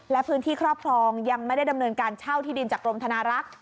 และพื้นที่ครอบครองยังไม่ได้ดำเนินการเช่าที่ดินจากกรมธนารักษ์